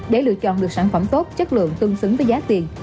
để lựa chọn được sản phẩm tốt chất lượng tương xứng với giá tiền